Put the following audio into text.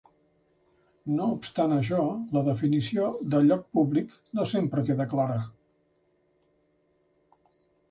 No obstant això, la definició de "lloc públic" no sempre queda clara.